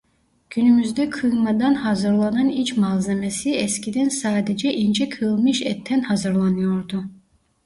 Günümüzde kıymadan hazırlanan iç malzemesi eskiden sadece ince kıyılmış etten hazırlanıyordu.